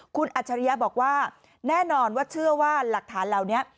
คุณอัจฉริยะบอกว่าแน่นอนว่าเชื่อว่าหลักฐานเหล่านี้